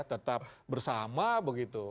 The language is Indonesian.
tetap bersama begitu